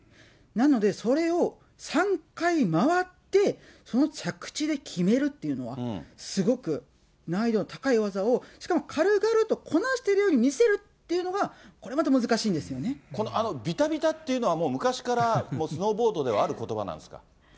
なので、それを３回回って、その着地で決めるっていうのは、すごく難易度の高い技を、しかも、軽々とこなしているように見せるっていうのが、これまた難しいんこのビタビタっていうのは、もう昔から、スノーボードではあることばなんですか？